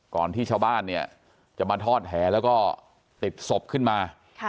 ที่ชาวบ้านเนี่ยจะมาทอดแห่แล้วก็ติดศพขึ้นมา